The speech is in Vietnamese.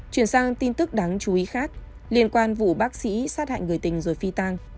chuyển sang tin tức đáng chú ý khác liên quan vụ bác sĩ sát hại người tình rồi phi tang